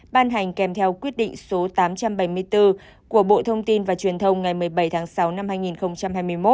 ban hành kèm theo quyết định số tám trăm bảy mươi bốn của bộ thông tin và truyền thông ngày một mươi bảy tháng sáu năm hai nghìn hai mươi một